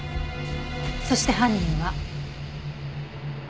そして犯人は。